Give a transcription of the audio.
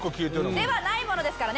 「ではない」ものですからね